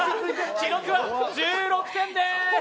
記録は１６点です！